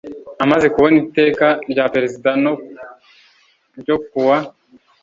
Amaze kubona iteka rya perezida no ryo kuwa